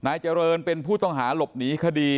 นายเจริญเป็นผู้ต้องหาหลบหนีคดี